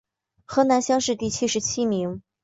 河南乡试第七十七名。